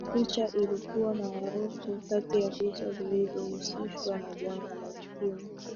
picha ilikuwa maarufu kati ya picha zilizohusishwa na janga la ukimwi